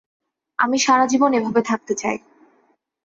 আমি সারাজীবন এভাবে থাকতে চাই।